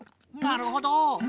なるほど。